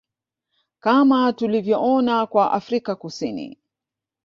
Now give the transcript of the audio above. Kama tulivyoona kwa Afrika Kusini